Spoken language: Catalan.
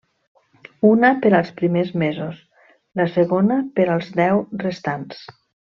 Una per als primers mesos, la segona per als deu restants.